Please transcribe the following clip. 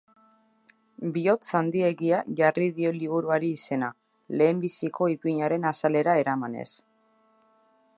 Bihotz handiegia jarri dio liburuari izena, lehenbiziko ipuinarena azalera eramanez.